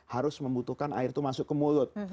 harus membutuhkan air itu masuk ke mulut